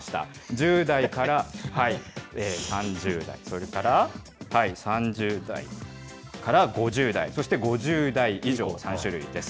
１０代から３０代、それから３０代から５０代、そして５０代以上の３種類です。